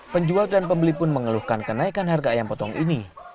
penjual dan pembeli pun mengeluhkan kenaikan harga ayam potong ini